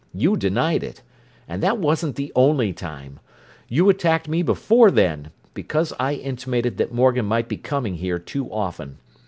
You denied it. And that wasn't the only time; you'd attacked me before then, because I intimated that Morgan might be coming here too often.